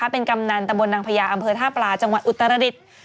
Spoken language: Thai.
เป็นกำนันตะบนนางพญาอำเภอท่าปลาจังหวัดอุตรดิษฐ์